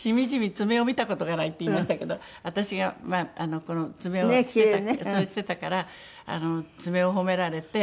「爪を見た事がない」って言いましたけど私がこの爪をしてしてたから爪を褒められて。